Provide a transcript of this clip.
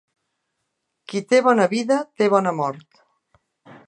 Qui té bona vida té bona mort.